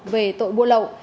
về tội buôn lậu